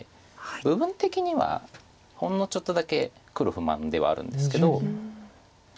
部分的にはほんのちょっとだけ黒不満ではあるんですけど。